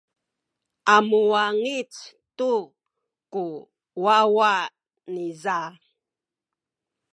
a muwangic tu ku wawa niza.